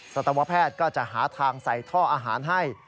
สัตวแพทย์ก็จะหาทางใส่ท่ออาหารให้